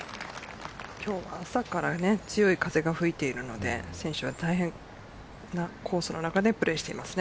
今日は朝から強い風が吹いているので選手は大変なコースの中でプレーしています。